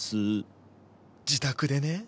自宅でね